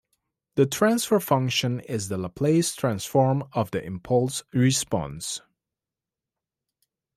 The transfer function is the Laplace transform of the impulse response.